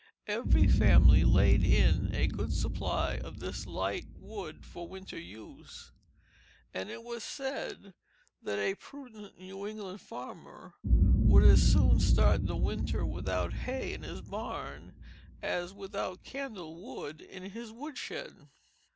Every family laid in a good supply of this light wood for winter use, and it was said that a prudent New England farmer would as soon start the winter without hay in his barn as without candle wood in his woodshed.